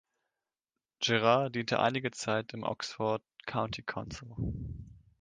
Gerard diente einige Zeit im Oxford County Council.